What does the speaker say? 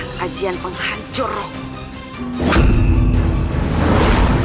nyai tenang di sisinya